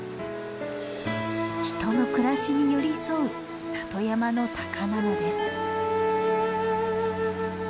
人の暮らしに寄り添う里山のタカなのです。